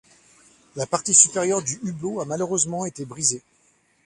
La partie supérieure du hublot a malheureusement été brisée.